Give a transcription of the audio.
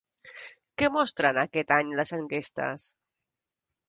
Què mostren aquest any les enquestes?